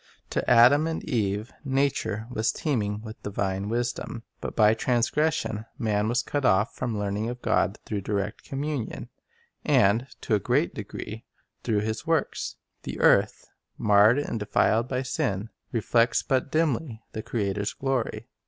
To Adam and Eve nature was teeming with divine wisdom. But by trans gression man was cut off from learning of God through direct communion, and, to a great degree, through His works. The earth, marred and denied by sin, reflects but dimly the Creator's glory.